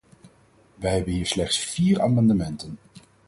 Wij hebben hier slechts vier amendementen.